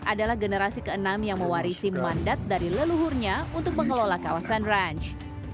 adalah generasi ke enam yang mewarisi mandat dari leluhurnya untuk mengelola kawasan ranch